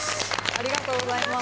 ありがとうございます。